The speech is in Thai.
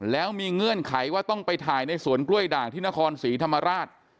แล้วมีเงื่อนไขว่าต้องไปถ่ายในสวนกล้วยด่างที่นครศรีธรรมราช